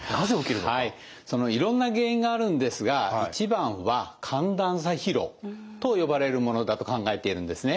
いろんな原因があるんですが一番は寒暖差疲労と呼ばれるものだと考えているんですね。